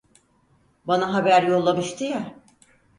Bana haber yollamıştı ya…